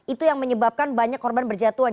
itu yang menyebabkan banyak korban berjatuhan